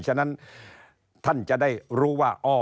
ฉะนั้นท่านจะได้รู้ว่า